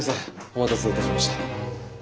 お待たせいたしました。